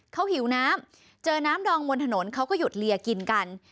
เขาหิวน้ำเจอน้ำดองบนถนนเขาก็หยุดเลียกินกัน